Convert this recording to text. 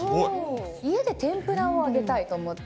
家で天ぷらを揚げたいと思って。